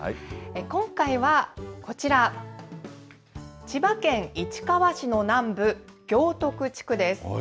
今回はこちら、千葉県市川市の南部、行徳地区です。